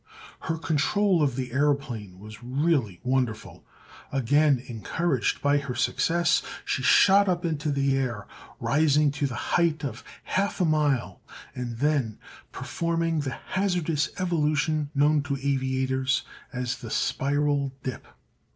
Her control of the aëroplane was really wonderful. Again, encouraged by her success, she shot up into the air, rising to the height of half a mile and then performing the hazardous evolution known to aviators as the "spiral dip."